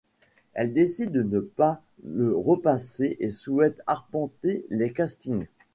Elle décide de ne pas le repasser et souhaite arpenter les castings.